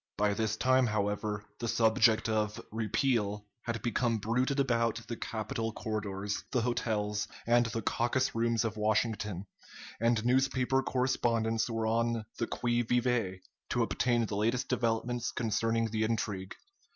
By this time, however, the subject of "repeal" had become bruited about the Capitol corridors, the hotels, and the caucus rooms of Washington, and newspaper correspondents were on the qui vive to obtain the latest developments concerning the intrigue.